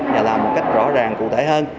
và làm một cách rõ ràng cụ thể hơn